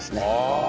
ああ。